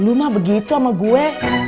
lu mah begitu sama gue